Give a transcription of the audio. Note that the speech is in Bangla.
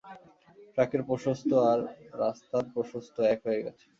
ট্রাকের প্রশস্ত আর, রাস্তার প্রশস্ত এক হয়ে গেছে।